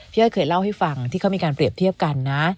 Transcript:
อ้อยเคยเล่าให้ฟังที่เขามีการเปรียบเทียบกันนะ